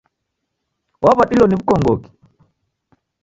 Waw'adilo ni w'ukongoki?